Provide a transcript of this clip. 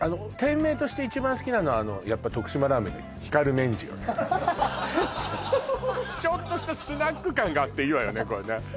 店名として一番好きなのはやっぱ徳島ラーメンのちょっとしたスナック感があっていいわよね